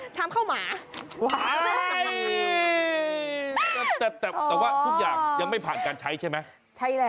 เพราะทุกอย่างยังไม่ผ่านการใช้ใช่ไหม